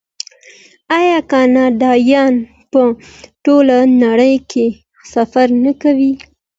آیا کاناډایان په ټوله نړۍ کې سفر نه کوي؟